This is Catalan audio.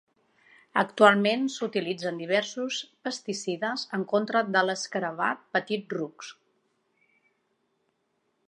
Actualment s'utilitzen diversos pesticides en contra de l'escarabat petit rusc.